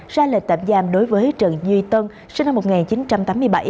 ra lệnh tạm giam đối với trần duy tân sinh năm một nghìn chín trăm tám mươi bảy